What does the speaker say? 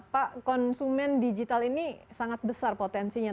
pak konsumen digital ini sangat besar potensinya